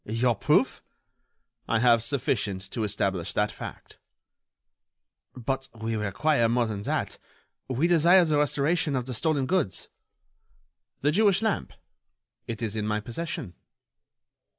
"Your proof?" "I have sufficient to establish that fact." "But we require more than that. We desire the restoration of the stolen goods." "The Jewish lamp? It is in my possession."